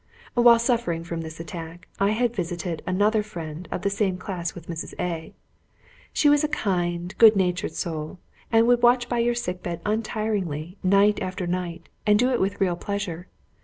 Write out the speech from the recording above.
While suffering from this attack, I had a visit from another friend of the same class with Mrs. A . She was a kind, good natured soul, and would watch by your sick bed untiringly, night after night, and do it with real pleasure.